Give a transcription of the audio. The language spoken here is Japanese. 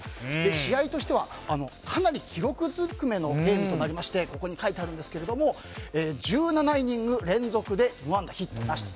試合としてはかなり記録づくめのゲームとなりましてここに書いてありますが１７イニング連続で無安打、ヒットなしと。